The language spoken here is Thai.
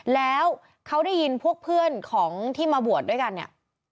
แล้วเขาได้ยินพวกเพื่อนของที่มาบวชด้วยกันเนี่ย